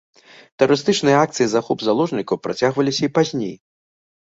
Тэрарыстычныя акцыі і захоп заложнікаў працягваліся і пазней.